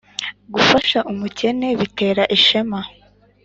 gufasha umukene bitera ishema